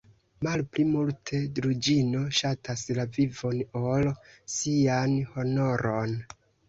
Malpli multe Druĵino ŝatas la vivon, ol sian honoron!